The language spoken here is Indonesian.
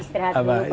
suara hati pak